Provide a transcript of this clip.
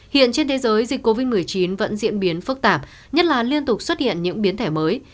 hiện trên thế giới dịch covid một mươi chín vẫn diễn biến phức tạp nhất là liên tục xuất hiện những biến thể mới